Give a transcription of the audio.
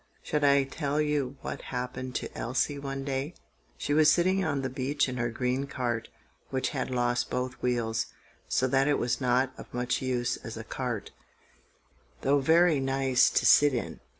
SHALL I tell you what happened to Elsie one day? She was sitting on the beach in her green cart, which had lost both wheels, so that it was not of much use as a cart, though very nice to sit in.